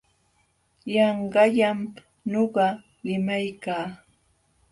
Yanqallam nuqa limaykaa.